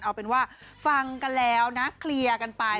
เอาเป็นว่าฟังกันแล้วนะเคลียร์กันไป